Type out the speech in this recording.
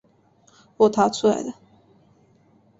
我逃出来